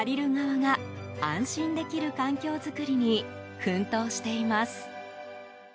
貸す側と借りる側が安心できる環境作りに奮闘しています。